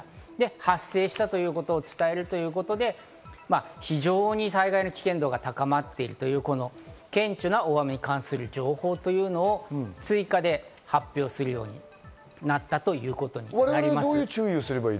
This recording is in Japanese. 発生したということを伝えるということで、非常に災害の危険度が高まっているという顕著な大雨に関する情報というのを追加で発表するようになったということになります。